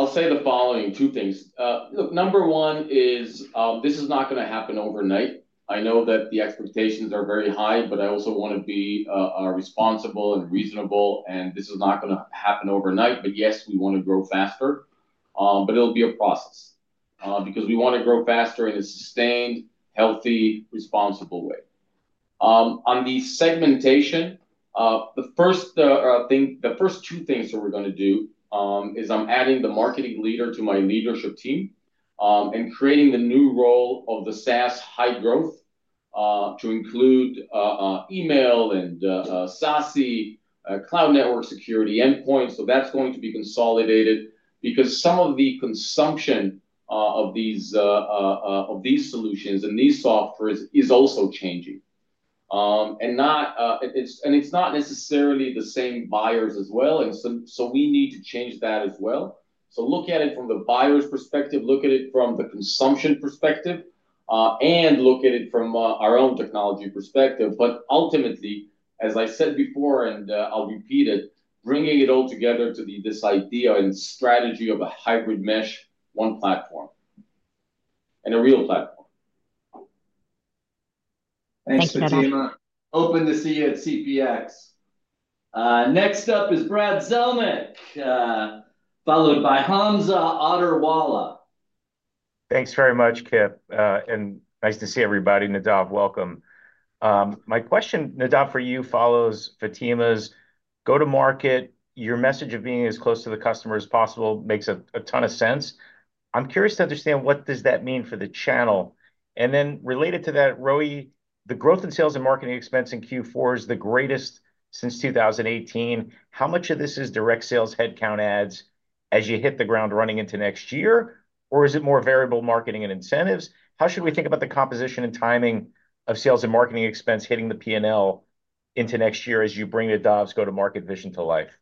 S4: I'll say the following two things. Look, number one is this is not going to happen overnight. I know that the expectations are very high, but I also want to be responsible and reasonable. And this is not going to happen overnight. But yes, we want to grow faster, but it'll be a process because we want to grow faster in a sustained, healthy, responsible way. On the segmentation, the first two things that we're going to do is I'm adding the marketing leader to my leadership team and creating the new role of the SaaS High Growth to include email and SASE, cloud network security endpoints. So that's going to be consolidated because some of the consumption of these solutions and these softwares is also changing. It's not necessarily the same buyers as well. And so we need to change that as well. So look at it from the buyers' perspective, look at it from the consumption perspective, and look at it from our own technology perspective. But ultimately, as I said before, and I'll repeat it, bringing it all together to this idea and strategy of a hybrid mesh, one platform, and a real platform.
S1: Thanks, Fatima. Hope to see you at CPX. Next up is Brad Zelnick, followed by Hamza Fodderwala.
S15: Thanks very much, Kip. And nice to see everybody. Nadav, welcome. My question, Nadav, for you follows Fatima's go-to-market. Your message of being as close to the customer as possible makes a ton of sense. I'm curious to understand what does that mean for the channel. And then related to that, Roei, the growth in sales and marketing expense in Q4 is the greatest since 2018. How much of this is direct sales headcount adds as you hit the ground running into next year, or is it more variable marketing and incentives? How should we think about the composition and timing of sales and marketing expense hitting the P&L into next year as you bring Nadav's go-to-market vision to life?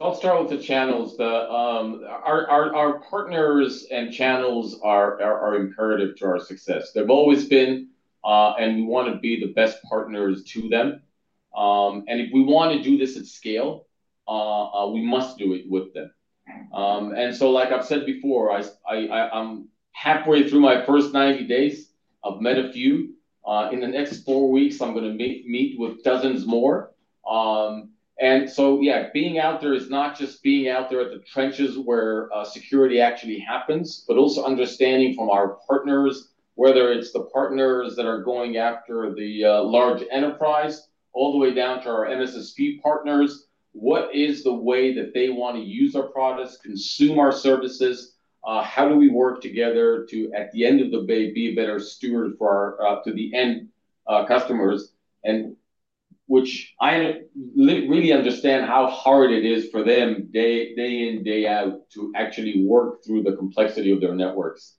S4: So I'll start with the channels. Our partners and channels are imperative to our success. They've always been, and we want to be the best partners to them. And if we want to do this at scale, we must do it with them. And so like I've said before, I'm halfway through my first 90 days. I've met a few. In the next four weeks, I'm going to meet with dozens more. And so, yeah, being out there is not just being out there at the trenches where security actually happens, but also understanding from our partners, whether it's the partners that are going after the large enterprise all the way down to our MSSP partners, what is the way that they want to use our products, consume our services? How do we work together to, at the end of the day, be a better steward for our customers, which I really understand how hard it is for them day in, day out to actually work through the complexity of their networks?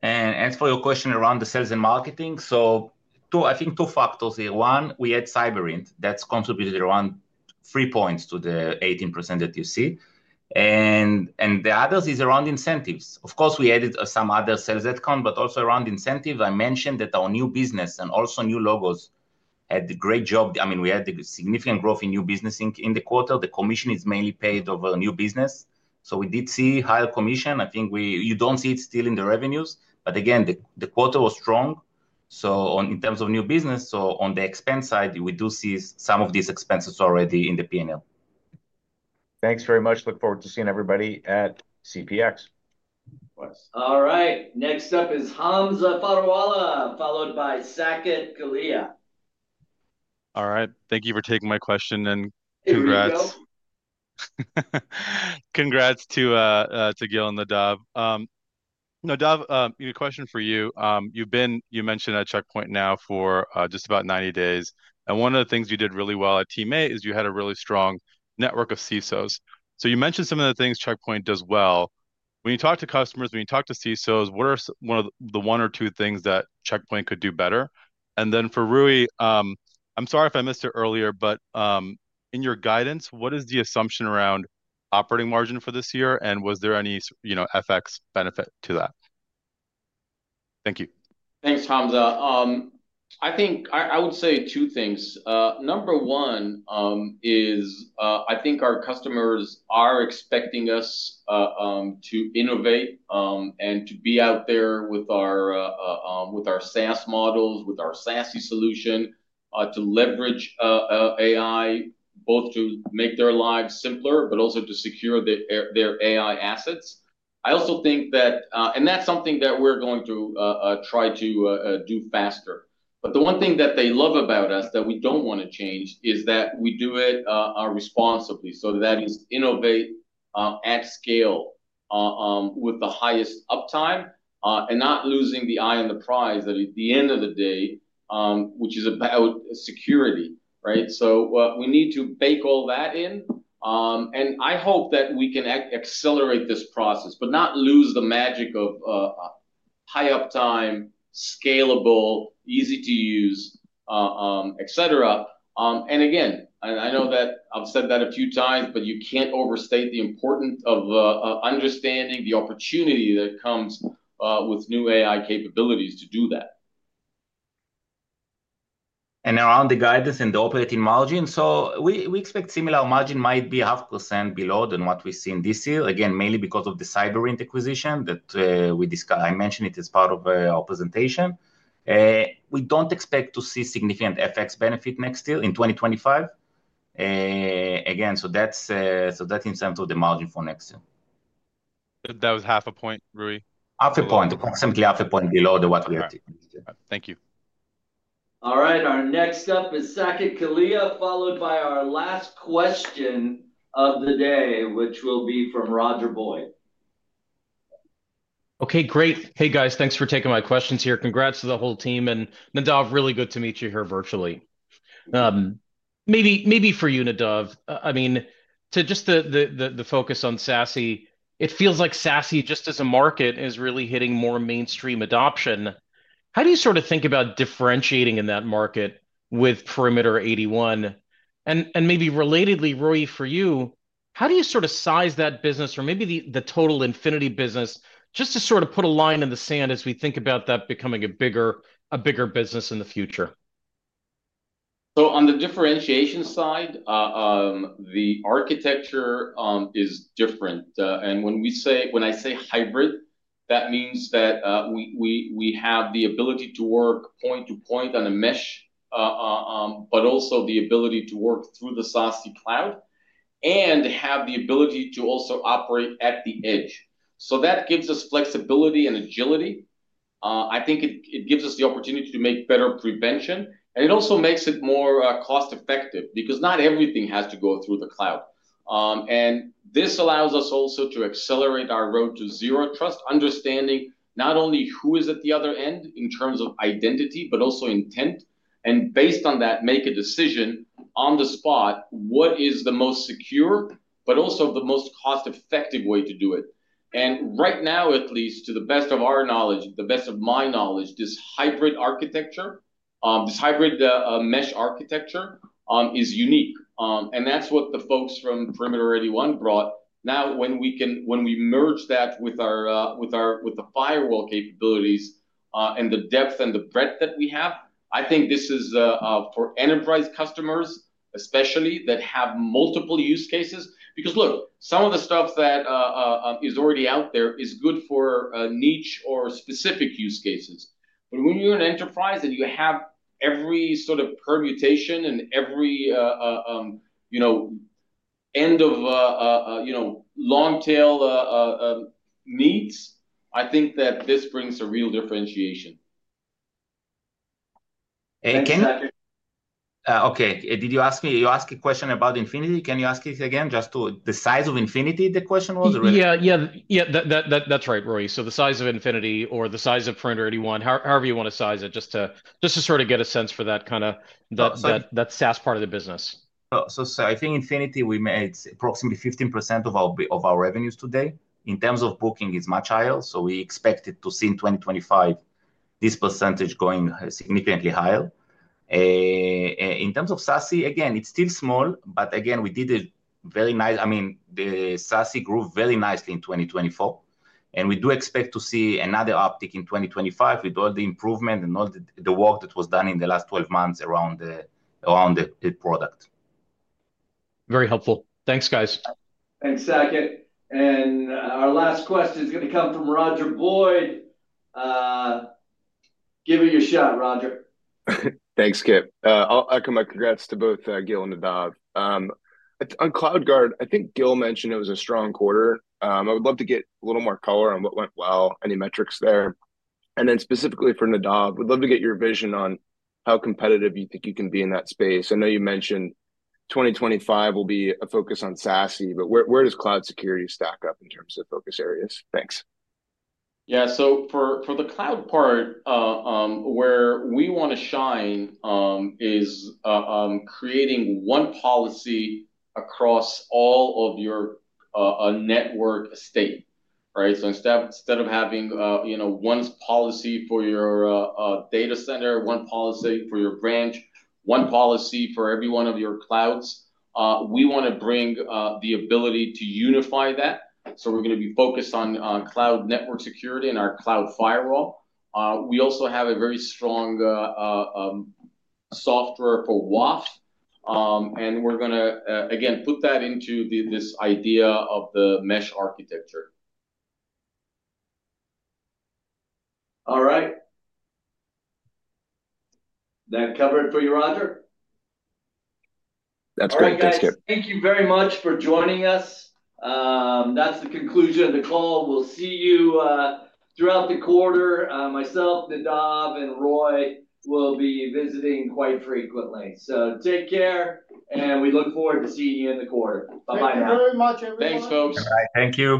S2: And as for your question around the sales and marketing, so I think two factors here. One, we add Cyberint. That's contributed around three points to the 18% that you see. And the others is around incentives. Of course, we added some other sales headcount, but also around incentives. I mentioned that our new business and also new logos had a great job. I mean, we had significant growth in new business in the quarter. The commission is mainly paid over new business. So we did see higher commission. I think you don't see it still in the revenues. But again, the quarter was strong. So in terms of new business, so on the expense side, we do see some of these expenses already in the P&L.
S15: Thanks very much. Look forward to seeing everybody at CPX.
S1: All right. Next up is Hamza Fodderwala, followed by Saket Kalia.
S16: All right. Thank you for taking my question. And congrats.
S3: Thank you, Gil.
S16: Congrats to Gil and Nadav. Nadav, a question for you. You mentioned at Check Point now for just about 90 days. And one of the things you did really well at Team8 is you had a really strong network of CISOs. So you mentioned some of the things Check Point does well. When you talk to customers, when you talk to CISOs, what are the one or two things that Check Point could do better? And then for Roei, I'm sorry if I missed it earlier, but in your guidance, what is the assumption around operating margin for this year? And was there any FX benefit to that? Thank you.
S4: Thanks, Hamza. I think I would say two things. Number one is I think our customers are expecting us to innovate and to be out there with our SaaS models, with our SASE solution to leverage AI, both to make their lives simpler, but also to secure their AI assets. I also think that, and that's something that we're going to try to do faster, but the one thing that they love about us that we don't want to change is that we do it responsibly. So that is innovate at scale with the highest uptime and not losing the eye on the prize at the end of the day, which is about security. Right? So we need to bake all that in, and I hope that we can accelerate this process, but not lose the magic of high uptime, scalable, easy to use, etc. And again, I know that I've said that a few times, but you can't overstate the importance of understanding the opportunity that comes with new AI capabilities to do that.
S2: Now on the guidance and the operating margin. We expect similar margin might be 0.5% below than what we've seen this year, again, mainly because of the Cyberint acquisition that I mentioned as part of our presentation. We don't expect to see significant FX benefit next year in 2025. Again, so that's in terms of the margin for next year.
S16: That was half a point, Roei.
S2: Half a point, approximately half a point below than what we were taking.
S16: Thank you.
S1: All right. Our next up is Saket Kalia, followed by our last question of the day, which will be from Roger Boyd.
S17: Okay. Great. Hey, guys, thanks for taking my questions here. Congrats to the whole team. And Nadav, really good to meet you here virtually. Maybe for you, Nadav, I mean, to just the focus on SASE, it feels like SASE, just as a market, is really hitting more mainstream adoption. How do you sort of think about differentiating in that market with Perimeter 81? And maybe relatedly, Roei, for you, how do you sort of size that business or maybe the total Infinity business just to sort of put a line in the sand as we think about that becoming a bigger business in the future?
S4: So on the differentiation side, the architecture is different. And when I say hybrid, that means that we have the ability to work point-to-point on a mesh, but also the ability to work through the SASE cloud and have the ability to also operate at the edge. So that gives us flexibility and agility. I think it gives us the opportunity to make better prevention. And it also makes it more cost-effective because not everything has to go through the cloud. And this allows us also to accelerate our road to zero trust, understanding not only who is at the other end in terms of identity, but also intent, and based on that, make a decision on the spot, what is the most secure, but also the most cost-effective way to do it. Right now, at least, to the best of our knowledge, the best of my knowledge, this hybrid architecture, this hybrid mesh architecture is unique. That's what the folks from Perimeter 81 brought. Now, when we merge that with the firewall capabilities and the depth and the breadth that we have, I think this is for enterprise customers, especially that have multiple use cases. Because look, some of the stuff that is already out there is good for niche or specific use cases. But when you're an enterprise and you have every sort of permutation and every end of long-tail needs, I think that this brings a real differentiation.
S2: Okay. Did you ask me? You asked a question about Infinity. Can you ask it again? Just the size of Infinity, the question was?
S17: Yeah. Yeah. Yeah. That's right, Roei. So the size of infinity or the size of Perimeter 81, however you want to size it, just to sort of get a sense for that kind of that SaaS part of the business.
S2: So I think Infinity, we made approximately 15% of our revenues today. In terms of booking, it's much higher. So we expect it to see in 2025 this percentage going significantly higher. In terms of SASE, again, it's still small, but again, we did a very nice I mean, the SASE grew very nicely in 2024. And we do expect to see another uptick in 2025 with all the improvement and all the work that was done in the last 12 months around the product.
S17: Very helpful. Thanks, guys.
S1: Thanks, Saket. And our last question is going to come from Roger Boyd. Give it your shot, Roger.
S18: Thanks, Kip. I'll echo my congrats to both Gil and Nadav. On CloudGuard, I think Gil mentioned it was a strong quarter. I would love to get a little more color on what went well, any metrics there. And then specifically for Nadav, we'd love to get your vision on how competitive you think you can be in that space. I know you mentioned 2025 will be a focus on SASE, but where does cloud security stack up in terms of focus areas? Thanks.
S4: Yeah. So for the cloud part, where we want to shine is creating one policy across all of your network estate. Right? So instead of having one policy for your data center, one policy for your branch, one policy for every one of your clouds, we want to bring the ability to unify that. So we're going to be focused on cloud network security and our cloud firewall. We also have a very strong software for WAF. And we're going to, again, put that into this idea of the mesh architecture.
S1: All right. That covered for you, Roger?
S18: That's right. Thanks, Kip.
S1: All right, guys. Thank you very much for joining us. That's the conclusion of the call. We'll see you throughout the quarter. Myself, Nadav, and Roei will be visiting quite frequently. So take care, and we look forward to seeing you in the quarter. Bye-bye now. Thank you very much, everyone.
S4: Thanks, folks.
S2: Thank you.